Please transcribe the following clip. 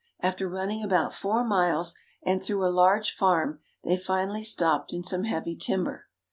After running about four miles and through a large farm they finally stopped in some heavy timber.